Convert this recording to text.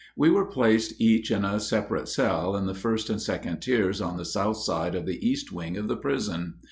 We were placed each in a separate cell in the first and second tiers on the south side in the east wing of the prison.